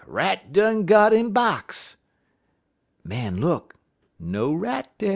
rat done got in box!' "Man look; no rat dar.